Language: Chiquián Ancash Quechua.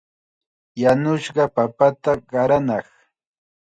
Yanushqa papata qaranaaq.